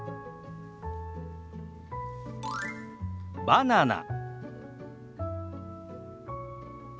「バナナ」。